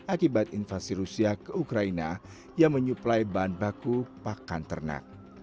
akibat invasi rusia ke ukraina yang menyuplai bahan baku pakan ternak